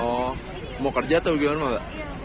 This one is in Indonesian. oh mau kerja atau gimana ma